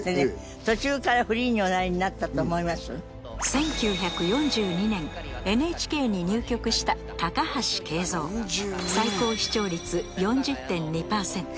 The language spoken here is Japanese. １９４２年ＮＨＫに入局した高橋圭三最高視聴率４０．２％